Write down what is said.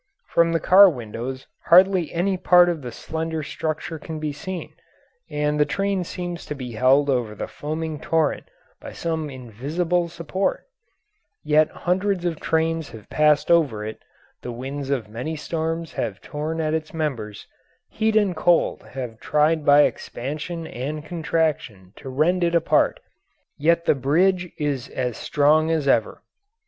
From the car windows hardly any part of the slender structure can be seen, and the train seems to be held over the foaming torrent by some invisible support, yet hundreds of trains have passed over it, the winds of many storms have torn at its members, heat and cold have tried by expansion and contraction to rend it apart, yet the bridge is as strong as ever.